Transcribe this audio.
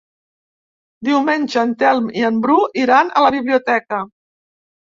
Diumenge en Telm i en Bru iran a la biblioteca.